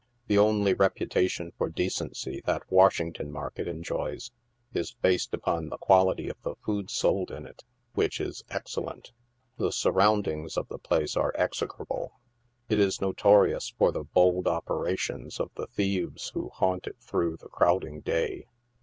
The only reputation for decency that Washington market enjoys is based upon the quality of the food sold in it, which is excellent. The surroundings of the place are execrable. It is notorious for the bold operations of the thieves who haunt it through the crowding day.